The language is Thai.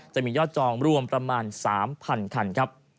จะมียอดจองรวมประมาณ๓๐๐คันครับ